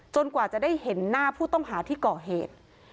กว่าจะได้เห็นหน้าผู้ต้องหาที่ก่อเหตุ